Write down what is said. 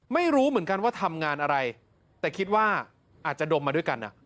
ไม่รู้เหมือนกันว่าทำงานอะไรแต่คิดว่าอาจจะดมมาด้วยกัน